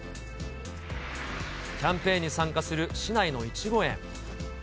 キャンペーンに参加する市内のいちご園。